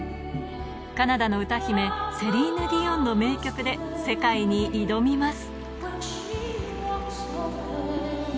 カナダの歌姫セリーヌ・ディオンの名曲で世界に挑みます